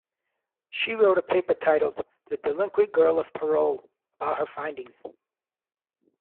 She wrote a paper titled "The Delinquent Girl on Parole" about her findings.